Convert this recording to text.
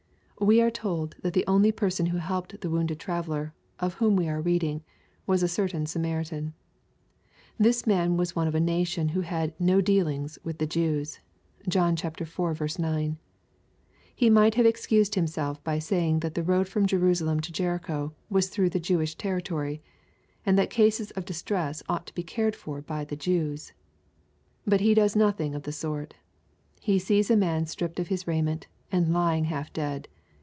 We are told that the_imly person who helped the wounded traveller, of whom we are reading, was a certain Samaritan. This man was one of a nation who had " no dealings'' with the Jews, (John iv. 9.) He might have excused himself by saying that the road from Jerusalem to Jericho was through the Jewish territory, and that cases of distress ought to be cared for by the Jews. But he does nothing of the sort. He sees a man , stripped of his raiment, and lying half dead.